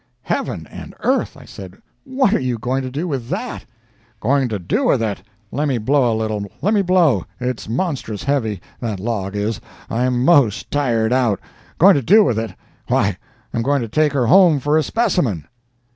"Heavens and earth!" I said, "what are you going to do with that?" "Going to do with it!—lemme blow a little—lemme blow—it's monstrous heavy, that log is; I'm most tired out—going to do with it! Why, I'm going to take her home for a specimen."